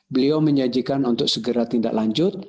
beliau menyajikan untuk segera tindak lanjut